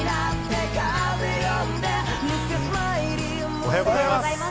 おはようございます。